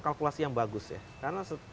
kalkulasi yang bagus ya karena